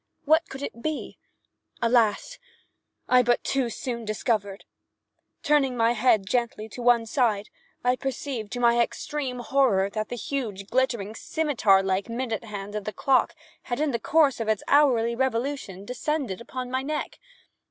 What could it be? Alas! I but too soon discovered. Turning my head gently to one side, I perceived, to my extreme horror, that the huge, glittering, scimetar like minute hand of the clock had, in the course of its hourly revolution, descended upon my neck.